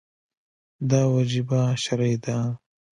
دا وجیبه شرعي ده.